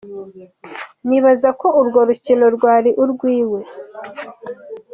Nibaza ko urwo rukino rwari urwiwe.